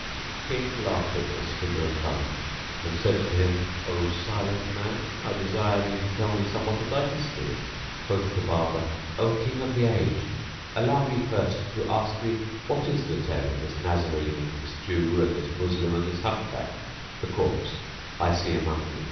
The King laughed at this figure o' fun and said to him, "O Silent Man, I desire thee to tell me somewhat of thy history." Quoth the Barber, "O King of the age, allow me first to ask thee what is the tale of this Nazarene and this Jew and this Moslem and this Hunchback (the corpse) I see among you?